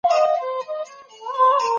کله به حکومت بېړنۍ غونډه په رسمي ډول وڅیړي؟